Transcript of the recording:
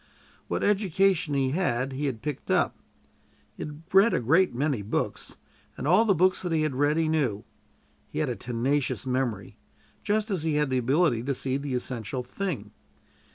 What education he had, he had picked up. He had read a great many books, and all the books that he had read he knew. He had a tenacious memory, just as he had the ability to see the essential thing.